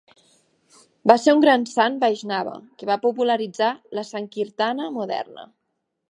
Va ser un gran sant Vaishnava que va popularitzar la sankirtana moderna.